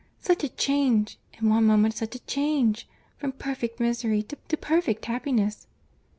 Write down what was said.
Such a change! In one moment such a change! From perfect misery to perfect happiness!"